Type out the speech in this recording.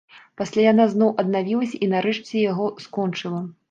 Пасля яна зноў аднавілася і нарэшце яго скончыла.